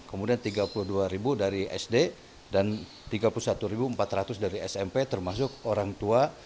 kemudian tiga puluh dua dari sd dan tiga puluh satu empat ratus dari smp termasuk orang tua